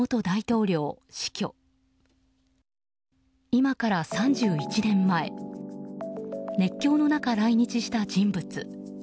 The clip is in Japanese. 今から３１年前熱狂の中、来日した人物。